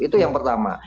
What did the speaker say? itu yang pertama